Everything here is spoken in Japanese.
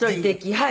はい。